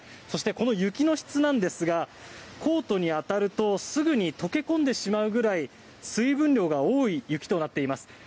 そしてこの雪の質ですがコートに当たるとすぐに溶け込んでしまうぐらい水分量が多い雪となっています。